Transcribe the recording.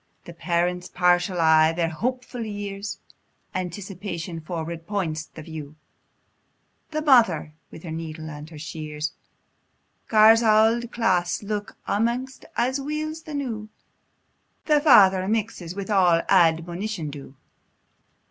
The parents, partial, eye their hopeful years; Anticipation forward points the view; The mother, wi' her needle and her shears, Gars auld claes look amaist as weel's the new; The father mixes a' wi' admonition due.